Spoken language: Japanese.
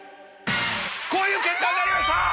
こういう結果になりました！